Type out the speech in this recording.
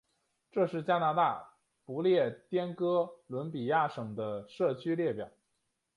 这是加拿大不列颠哥伦比亚省的社区列表。